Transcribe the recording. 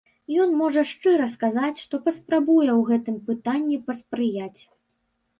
Ён можа шчыра сказаць, што паспрабуе ў гэтым пытанні паспрыяць.